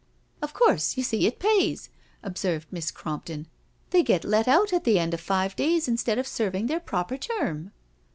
"Of course, you see it pays," observed Miss Cromp ton. " They get let out at the end of five days instead of serving their proper term."